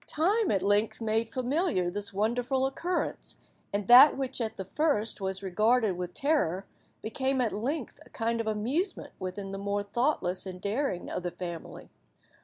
Time at length made familiar this wonderful occurrence, and that which at the first was regarded with terror, became at length a kind of amusement with the more thoughtless and daring of the family.